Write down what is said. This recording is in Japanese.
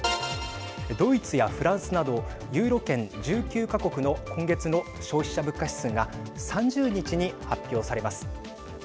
ドイツやフランスなどユーロ圏１９か国の今月の消費者物価指数が３０日に発表されます。